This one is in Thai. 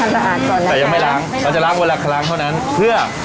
แต่ยังไม่ล้างเราจะล้างเวลาครั้งเท่านั้นเพื่อ